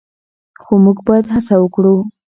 خو موږ باید هڅه وکړو.